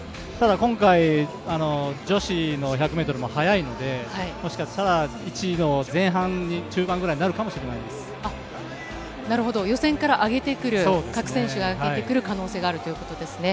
今回、女子の１００ｍも速いので、もしかしたら１の前半か中盤ぐらいになるかもしれない予選からあげてくる可能性があるということですね。